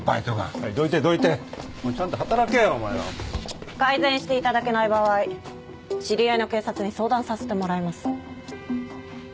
おいちゃんと働けよお前ら！改善して頂けない場合知り合いの警察に相談させてもらいます。